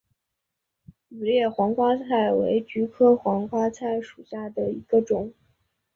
羽裂黄瓜菜为菊科黄瓜菜属下的一个种。